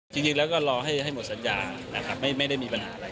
จริงแล้วก็รอให้หมดสัญญานะครับไม่ได้มีปัญหาอะไร